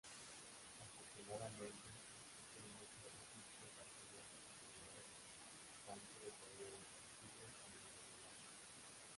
Afortunadamente, existen muchos registros arqueológicos en el área, tanto de periodos antiguos como medievales.